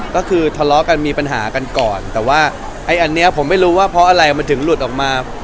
ก็คือทะเลาะกันมีปัญหากันก่อนแต่ว่าไอ้อันนี้ผมไม่รู้ว่าเพราะอะไรมันถึงหลุดออกมา